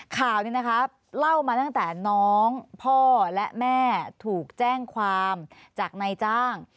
ข่าวนี้นะคะเล่ามาตั้งแต่น้องพ่อและแม่ถูกแจ้งความจากนายจ้าง